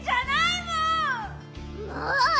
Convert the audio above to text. もう！